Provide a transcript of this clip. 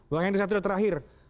langsung satu yang terakhir